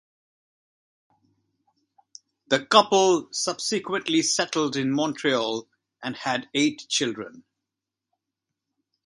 The couple subsequently settled in Montreal and had eight children.